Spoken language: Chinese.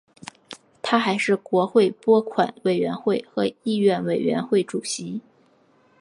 他还是国会拨款委员会和议院委员会主席。